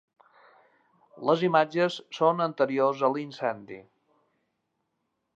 Les imatges són anteriors a l'incendi.